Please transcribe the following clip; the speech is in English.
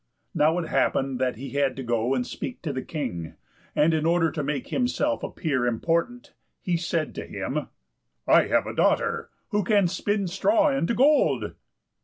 Now it happened that he had to go and speak to the King, and in order to make himself appear important he said to him, "I have a daughter who can spin straw into gold."